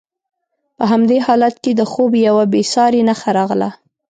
په همدې حالت کې د خوب یوه بې ساري نښه راغله.